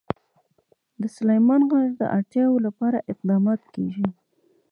د سلیمان غر د اړتیاوو لپاره اقدامات کېږي.